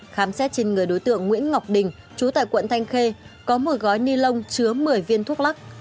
khám xét trên người đối tượng nguyễn ngọc đình trú tại quận thanh khê có một gói ni lông chứa một mươi viên thuốc lắc